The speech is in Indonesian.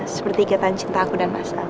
seperti ikatan cinta aku dan masa